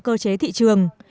cơ chế thị trường